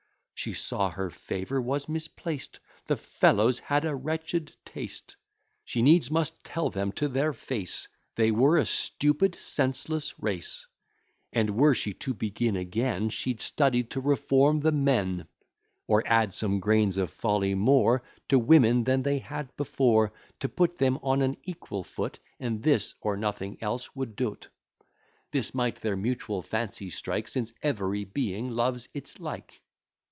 She saw her favour was misplaced; The fellows had a wretched taste; She needs must tell them to their face, They were a stupid, senseless race; And, were she to begin again, She'd study to reform the men; Or add some grains of folly more To women, than they had before, To put them on an equal foot; And this, or nothing else, would do't. This might their mutual fancy strike; Since every being loves its like.